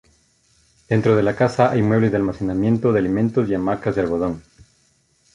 Dentro de la casa hay muebles de almacenamiento de alimentos y hamacas de algodón.